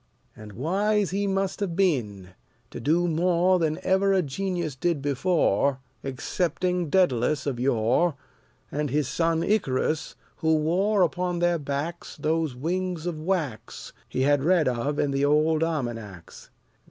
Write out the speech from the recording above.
And wise he must have been, to do more Than ever a genius did before, Excepting Dædalus, of yore, And his son Icarus, who wore Upon their backs Those wings of wax He had read of in the old almanacs.